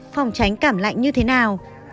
phòng tránh cảm lạnh như thế nào